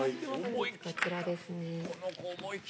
こちらですね。